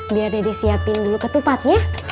biar dede siapin dulu ketupatnya